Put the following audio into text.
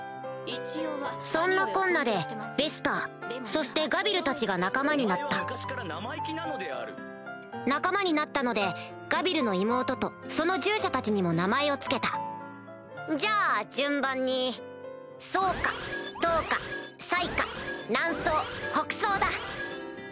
そんなこんなでベスターそしてガビルたちが仲間になった仲間になったのでガビルの妹とその従者たちにも名前を付けたじゃあ順番にソーカトーカサイカナンソウホクソウだ。